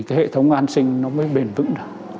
cái hệ thống an sinh nó mới bền vững